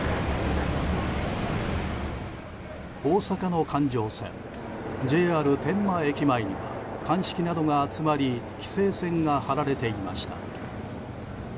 大阪の環状線ＪＲ天満駅前には鑑識などが集まり規制線が張られていました。